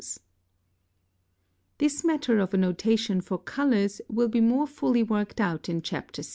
(67) This matter of a notation for colors will be more fully worked out in Chapter VI.